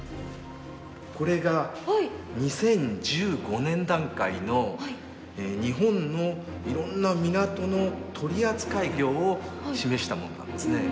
これが２０１５年段階の日本のいろんな港の取扱量を示したものなんですね。